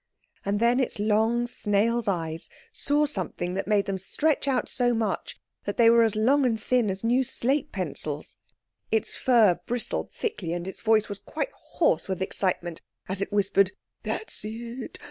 And then its long snail's eyes saw something that made them stretch out so much that they were as long and thin as new slate pencils. Its fur bristled thickly, and its voice was quite hoarse with excitement as it whispered— "That's it!